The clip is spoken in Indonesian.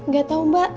gak tau mbak